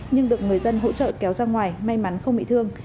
nhưng được người dân hỗ trợ kéo ra ngoài may mắn không bị thương